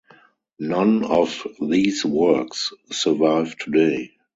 None of these works survive today.